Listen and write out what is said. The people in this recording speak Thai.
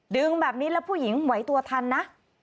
ดึงแบบนี้แล้วผู้หญิงไหวตัวทันนะ